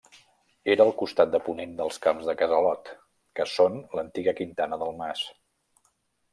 Era al costat de ponent dels Camps del Casalot, que són l'antiga quintana del mas.